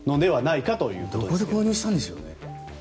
どこで購入したんでしょうね。